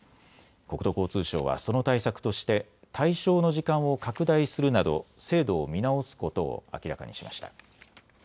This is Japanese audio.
国土交通省はその対策として対象の時間を拡大するなど制度を見直すことを明らかにしました。